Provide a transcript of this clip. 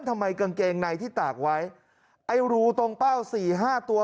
กางเกงในที่ตากไว้ไอ้รูตรงเป้าสี่ห้าตัว